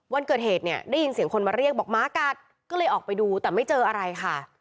วันเกิดเหตุเนี่ยได้ยินเสียงคนมาเรียกบอกหมากัดก็เลยออกไปดูแต่ไม่เจออะไรค่ะ